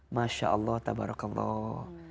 masya allah tabarakallah